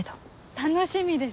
楽しみです。